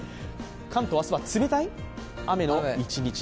関東、明日は冷たい雨の一日。